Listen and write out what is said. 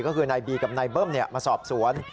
ก็คือนายบีกับนายเบิ้มมาสอบสวน